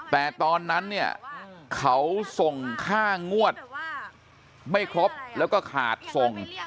แต่ตอนนั้นเนี่ยเขาส่งค่างวดไม่ครบแล้วก็ขาดส่ง